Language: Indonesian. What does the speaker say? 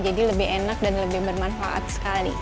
jadi lebih enak dan lebih bermanfaat sekali